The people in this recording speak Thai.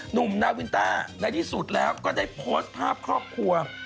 หนุ่มนาวินต้าในที่สุดแล้วก็ได้โพสต์ภาพครอบครัว